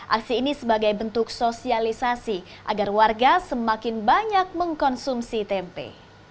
aksi ini sebagai bentuk sosialisasi agar warga semakin banyak mengkonsumsi tempe